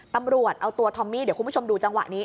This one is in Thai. ตำรวจเอาตัวทอมมี่เดี๋ยวคุณผู้ชมดูจังหวะนี้